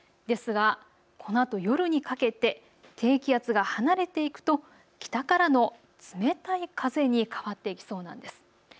ですがこのあと夜にかけて低気圧が離れていくと北からの冷たい風に変わっていきそうなんです。